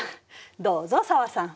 どうぞ紗和さん。